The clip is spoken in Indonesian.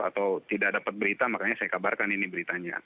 atau tidak dapat berita makanya saya kabarkan ini beritanya